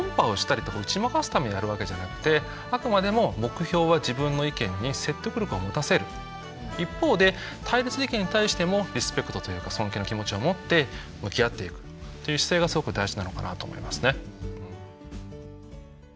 決してあくまでも目標は一方で対立意見に対してもリスペクトというか尊敬の気持ちを持って向き合っていくという姿勢がすごく大事なのかなと思いますね。